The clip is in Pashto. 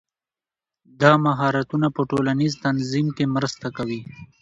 دا مهارتونه په ټولنیز تنظیم کې مرسته کوي.